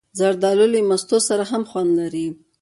زردالو له مستو سره هم خوند لري.